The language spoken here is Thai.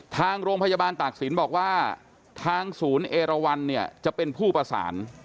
ทางโรงพยาบาลตากศิลป์บอกว่าทางศูนย์เอราวันเนี่ยจะเป็นผู้ประสาน